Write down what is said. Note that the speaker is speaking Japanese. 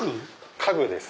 家具です。